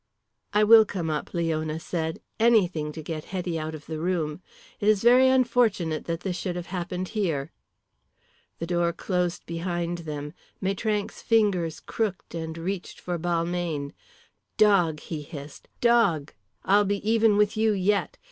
"I will come up," Leona said, anything to get Hetty out of the room. "It is very unfortunate that this should have happened here." The door closed behind them. Maitrank's fingers crooked and reached for Balmayne. "Dog," he hissed, "dog, I'll be even with you yet.